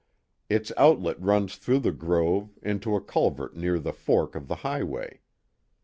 Its outlet runs through the grove, into a culvert near the fork of the highway.